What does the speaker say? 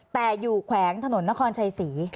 แต่อยู่แขวงถนนนครชัยศรี